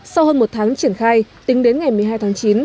sau hơn một tháng triển khai tính đến ngày một mươi hai tháng chín